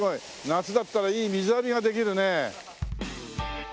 夏だったらいい水浴びができるね。